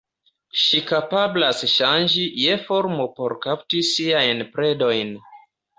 Ŝi kapablas ŝanĝi je formo por kapti siajn predojn.